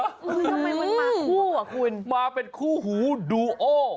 ทำไมมันมาคู่อ่ะคุณมาเป็นคู่หูดูโอ